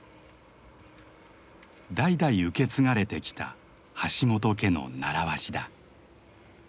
代々受け継がれてきた橋本家の習わしだ。